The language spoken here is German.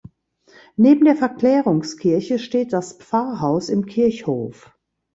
Neben der Verklärungskirche steht das Pfarrhaus im Kirchhof.